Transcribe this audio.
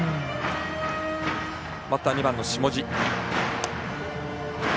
バッターは２番の下地。